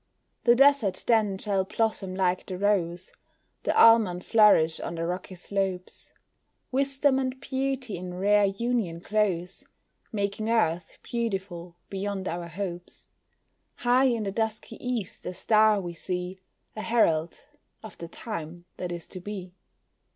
The desert then shall blossom like the rose, The almond flourish on the rocky slopes; Wisdom and beauty in rare union close, Making earth beautiful beyond our hopes. High in the dusky east a star we see, A herald of the Time that is to be.